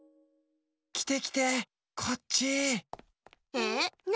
きてきてこっち。